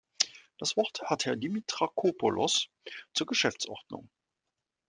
Das Wort hat Herr Dimitrakopoulos zur Geschäftsordnung.